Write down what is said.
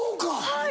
はい。